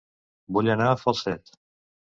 Vull anar a Falset